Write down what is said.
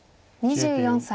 ２４歳。